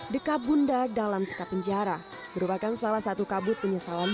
deka bunda dalam sekap penjara merupakan salah satu kabut penyesalan